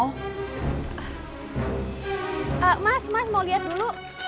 mas mas mau lihat dulu